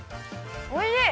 おいしい！